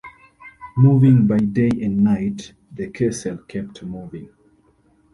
Moving by day and night, the kessel kept moving.